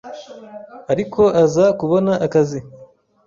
ariko aza kubona akazi